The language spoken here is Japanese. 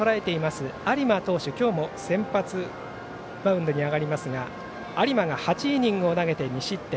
有馬投手、今日も先発マウンドに上がりますが有馬が８イニング投げて２失点。